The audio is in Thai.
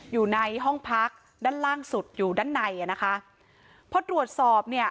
อยู่ในห้องพักด้านล่างสุดอยู่ด้านในอ่ะนะคะพอตรวจสอบเนี่ย